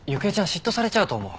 嫉妬されちゃうと思う。